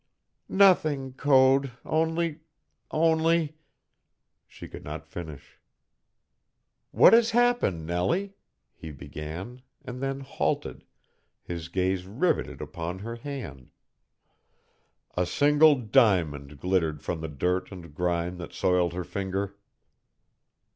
"Nothing, Code, only only " She could not finish. "What has happened, Nellie?" he began, and then halted, his gaze riveted upon her hand. A single diamond glittered from the dirt and grime that soiled her finger.